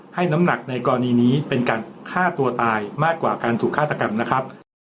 ให้หน้ามักในกรณีนี้เป็นฆ่าตัวตายมากกว่าการสู่ฆาตกรรมนะครับ